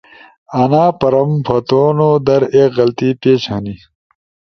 انا پرمپٹ پھتونودر ایک غلطی پیش ہنی